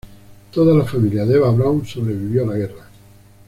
Toda la familia de Eva Braun sobrevivió a la guerra.